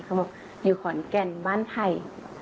เขาบอกอยู่ขอนแก่นบ้านไผ่